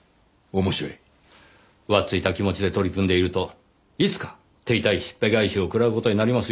浮ついた気持ちで取り組んでいるといつか手痛いしっぺ返しを食らう事になりますよ。